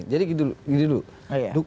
jadi gini dulu